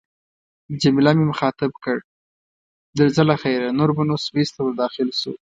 جميله مې مخاطب کړ: درځه له خیره، نور به نو سویس ته ورداخل شو.